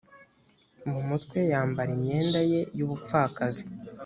mu mutwe yambara imyenda ye y ubupfakazi